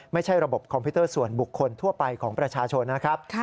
ไม่ใช่ระบบคอมพิวเตอร์ส่วนบุคคลทั่วไปของประชาชนนะครับ